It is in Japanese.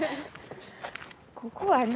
ここはね